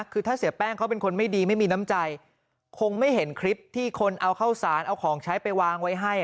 คือถ้าเสียแป้งเขาเป็นคนไม่ดีไม่มีน้ำใจคงไม่เห็นคลิปที่คนเอาข้าวสารเอาของใช้ไปวางไว้ให้